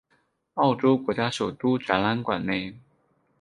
澳洲国家首都展览馆内。